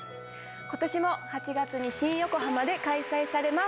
今年も８月に新横浜で開催されます。